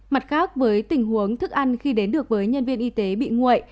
mặt khác với tình huống thức ăn khi đến được với nhân viên y tế bị nguội